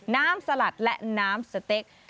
สลัดและน้ำสเต็ก